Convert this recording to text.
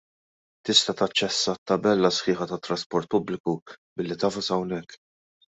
Tista' taċċessa t-tabella sħiħa tat-trasport pubbliku billi tagħfas hawnhekk.